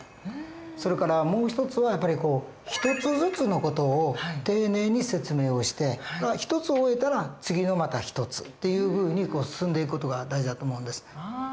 それからもう一つは一つずつの事を丁寧に説明をして一つを終えたら次のまた一つっていうふうに進んでいく事が大事だと思うんです。